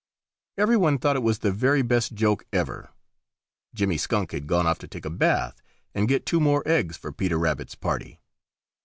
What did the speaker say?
Every one thought it was the very best joke ever. Jimmy Skunk had gone off to take a bath and get two more eggs for Peter Rabbit's party.